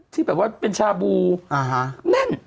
ที่แบบว่าเป็นอ๋อฮะแน่น